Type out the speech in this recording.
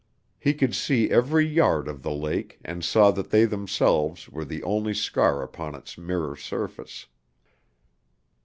He could see every yard of the lake and saw that they themselves were the only scar upon its mirror surface.